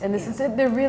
ini sangat berbeda